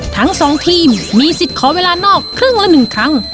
ทั้ง๒ทีมมีสิทธิ์ขอเวลานอกครึ่งละ๑ครั้ง